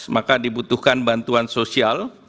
maka dibutuhkan bantuan sosial